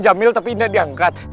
jamin tapi gak diangkat